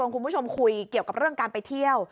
คุณผู้ชมคุยเกี่ยวกับเรื่องการไปเที่ยว